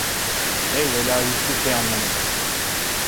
Evvela hiçbir şey anlamadım.